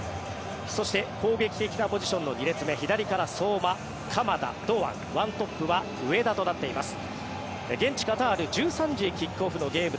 そして攻撃的なポジションの２列目、左から相馬、鎌田、堂安１トップは上田となっています。